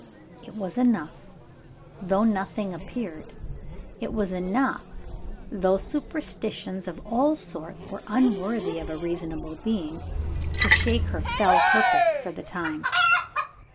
It was enough though nothing appeared: it was enough though superstitions of all sorts were unworthy of a reasonable being to shake her fell purpose, for the time.